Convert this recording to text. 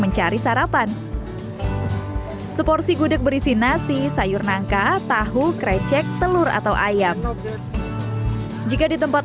mencari sarapan seporsi gudeg berisi nasi sayur nangka tahu krecek telur atau ayam jika di tempat